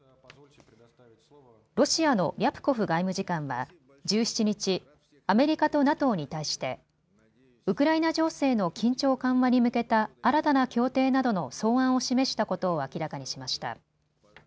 ロシアのリャプコフ外務次官は１７日、アメリカとＮＡＴＯに対してウクライナ情勢の緊張緩和に向けた、新たな協定などの草案を示したことを明らかにしました。